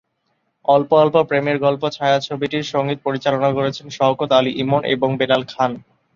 অল্প অল্প প্রেমের গল্প ছায়াছবিটির সঙ্গীত পরিচালনা করেছেন শওকত আলী ইমন ও বেলাল খান।